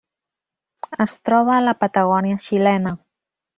Es troba a la Patagònia xilena.